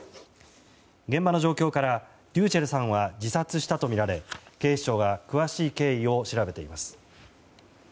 現場の状況からｒｙｕｃｈｅｌｌさんは自殺したとみられ、警視庁が詳しい経緯を調べています。